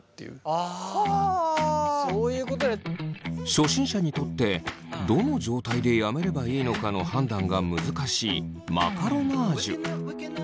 初心者にとってどの状態でやめればいいのかの判断が難しいマカロナージュ。